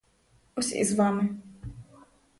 Ось і з вами.